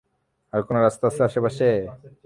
আর কোন রাস্তা আছে আশেপাশে?